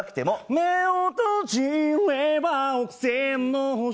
目を閉じれば億千の星